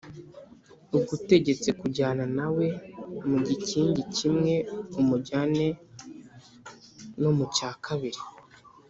ugutegetse kujyana na we mu gikingi kimwe umujyane no mu cya kabiri